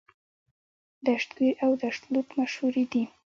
دشت کویر او دشت لوت مشهورې دي.